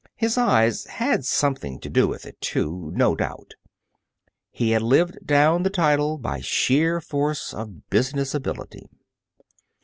His eyes had something to do with it, too, no doubt. He had lived down the title by sheer force of business ability.